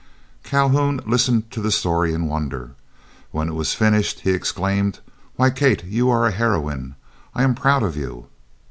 (2) Calhoun listened to the story in wonder. When it was finished, he exclaimed: "Why, Kate, you are a heroine! I am proud of you."